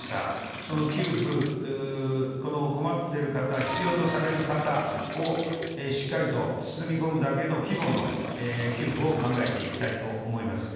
その給付、困ってる方、必要とされる方をしっかりと包み込むだけの規模の給付を考えていきたいと思います。